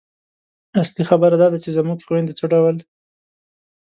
اصلي خبره دا ده چې زموږ خویندې څه ډول